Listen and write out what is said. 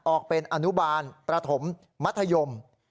ออกเป็นอนุบาลประถมมัธยม